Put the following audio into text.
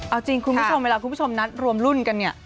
เอาจริงคุณผู้ชมเวลาคุณผู้ชมนัดรวมรุ่นกันเนี่ย